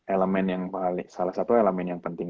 elemen yang paling salah satu elemen yang penting